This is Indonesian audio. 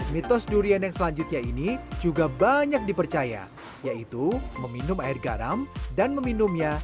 mitos durian yang selanjutnya ini juga banyak dipercaya yaitu meminum air garam dan meminumnya